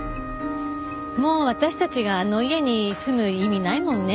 もう私たちがあの家に住む意味ないもんね。